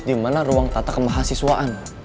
dimana ruang tata kemahasiswaan